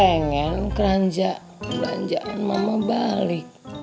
mama cuma pengen keranjang belanjaan mama balik